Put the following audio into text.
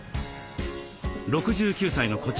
６９歳のこちらの男性